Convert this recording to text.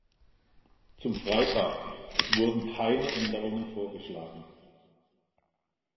Zum Freitag: Es wurden keine Änderungen vorgeschlagen.